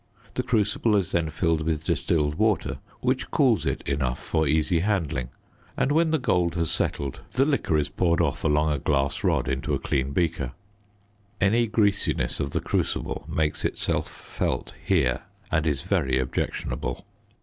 The crucible is then filled with distilled water, which cools it enough for easy handling; and when the gold has settled the liquor is poured off along a glass rod into a clean beaker. Any greasiness of the crucible makes itself felt here and is very objectionable.